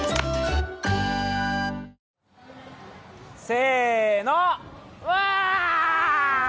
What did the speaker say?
せーの、わ！